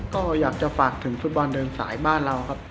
ก็อยากจะฝากถึงฟุตบอลเดินสายบ้านเราครับ